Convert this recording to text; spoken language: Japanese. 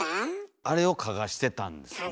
あれをかがしてたんですね。